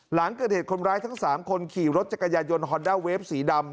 หลังเกิดเหตุคนร้ายทั้ง๓คนขี่รถจักรยายนฮอนด้าเวฟสีดำ